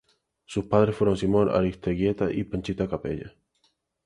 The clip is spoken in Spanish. Sus padres fueron Simón Aristeguieta y Panchita Capella.